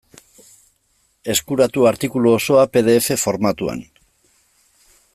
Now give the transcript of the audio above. Eskuratu artikulu osoa pe de efe formatuan.